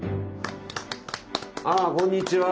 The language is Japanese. ああこんにちは。